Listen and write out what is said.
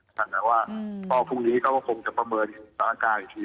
แต่ว่าก็พรุ่งนี้เขาก็คงจะประเมินสถานการณ์อีกที